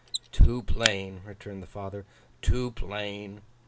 'Too plain!' returned the father. 'Too plain!